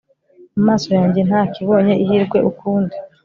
amaso yanjye ntakibonye ihirwe ukundi